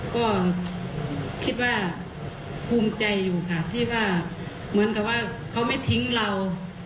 ก็คิดว่าภูมิใจอยู่ค่ะที่ว่าเหมือนกับว่าเขาไม่ทิ้งเรา